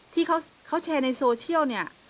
ที่เขาแชร์ในโซเชียล